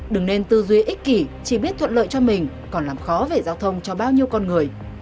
đừng nên tư duy ích kỷ chỉ biết thuận lợi cho mình còn làm khó về giao thông cho bao nhiêu con người